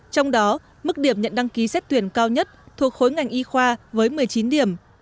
trong đó mức điểm nhận đăng ký xét tuyển cao nhất thuộc khối ngành y khoa với một mươi chín điểm